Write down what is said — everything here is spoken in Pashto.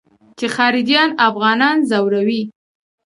چې خارجيان افغانان ځوروي.